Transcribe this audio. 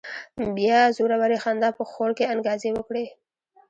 بيا زورورې خندا په خوړ کې انګازې وکړې.